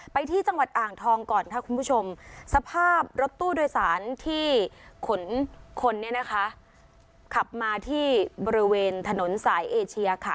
ไปที่จังหวัดอ่างทองก่อนค่ะคุณผู้ชมสภาพรถตู้โดยสารที่ขนคนเนี่ยนะคะขับมาที่บริเวณถนนสายเอเชียค่ะ